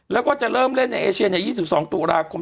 แล้วก็จะเริ่มเล่นในเอเชียใน๒๒ตุลาคม